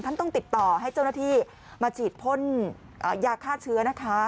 ต้องติดต่อให้เจ้าหน้าที่มาฉีดพ่นยาฆ่าเชื้อนะคะ